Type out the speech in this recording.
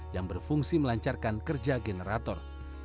yang berfungsi melancarkan kerja generator